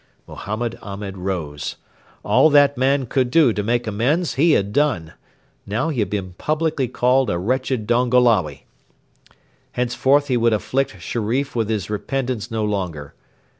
Mohammed Ahmed rose. All that man could do to make amends he had done. Now he had been publicly called 'a wretched Dongolawi.' Henceforth he would afflict Sherif with his repentance no longer.